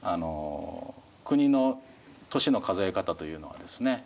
国の年の数え方というのはですね